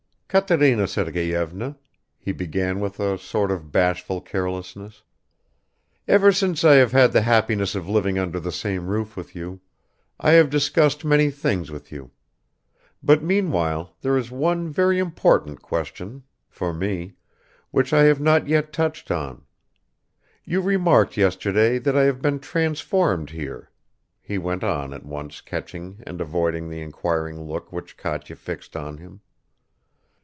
"Katerina Sergeyevna," he began with a sort of bashful carelessness, "ever since I have had the happiness of living under the same roof with you, I have discussed many things with you, but meanwhile there is one very important question for me which I have not yet touched on. You remarked yesterday that I have been transformed here," he went on, at once catching and avoiding the inquiring look which Katya fixed on him.